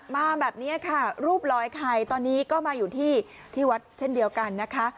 มาแบบนี้ค่ะรูปร้อยไข่ตอนนี้ก็มาอยู่ที่วัดเช่นเดียวกันนะคะ